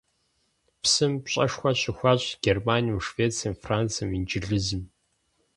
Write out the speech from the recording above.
Псым пщӀэшхуэ щыхуащӀ Германием, Швецием, Францием, Инджылызым.